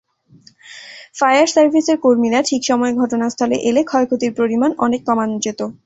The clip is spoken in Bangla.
ফায়ার সার্ভিসের কর্মীরা ঠিক সময়ে ঘটনাস্থলে এলে ক্ষয়ক্ষতির পরিমাণ অনেক কমানো যেত।